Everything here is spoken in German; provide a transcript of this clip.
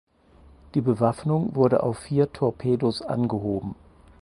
Die Bewaffnung wurde auf vier Torpedos angehoben.